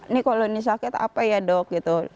ini kalau ini sakit apa ya dok gitu